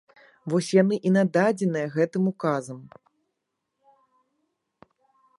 Вось яны і нададзеныя гэтым указам.